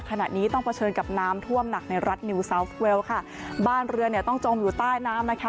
ขณะนี้ต้องเผชิญกับน้ำท่วมหนักในรัฐนิวซาวสเวลค่ะบ้านเรือเนี่ยต้องจมอยู่ใต้น้ำนะคะ